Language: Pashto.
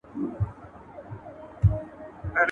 هدف یې د پښتو د سپکاوي له لارې د پښتون کمزوري کول دي